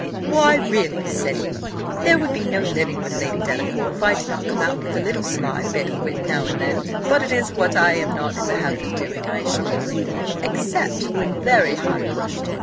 "Why, really," said he, "there would be no living with Lady Delacour, if I did not come out with a little sly bit of wit now and then; but it is what I am not in the habit of doing, I assure you, except when very hard pushed.